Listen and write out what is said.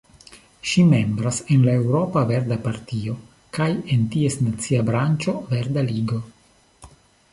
Ŝi membras en la Eŭropa Verda Partio kaj en ties nacia branĉo Verda Ligo.